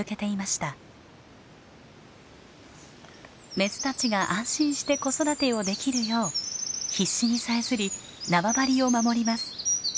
メスたちが安心して子育てをできるよう必死にさえずり縄張りを守ります。